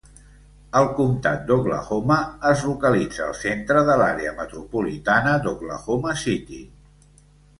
El Comtat d'Oklahoma es localitza al centre de l'àrea metropolitana d'Oklahoma City.